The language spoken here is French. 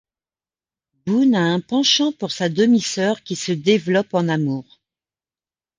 Boone a un penchant pour sa demi-sœur qui se développe en amour.